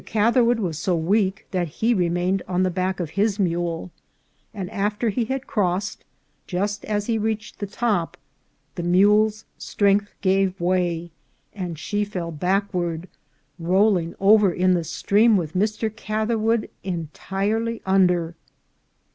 Catherwood was so weak that he remained on the back of his mule; and after he had crossed, just as he reached the top, the mule's strength gave way, and she fell backward, rolling over in the stream with Mr. Catherwood entirely under.